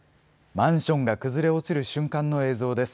マンションが崩れ落ちる瞬間の映像です。